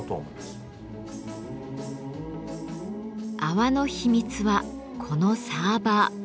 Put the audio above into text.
泡の秘密はこのサーバー。